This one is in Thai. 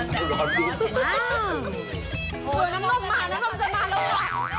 น้ำนมมาน้ำนมจะมาแล้วกัน